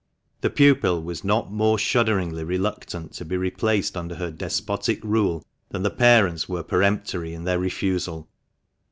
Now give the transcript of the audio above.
The pupil was not more shudderingly reluctant to be replaced under her despotic rule than the parents were peremptory in their refusal.